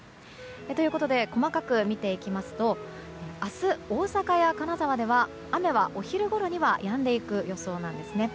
ということで細かく見ていきますと明日、大阪や金沢では雨はお昼ごろにはやんでいく予想です。